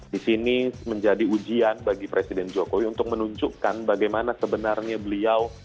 di sini menjadi ujian bagi presiden jokowi untuk menunjukkan bagaimana sebenarnya beliau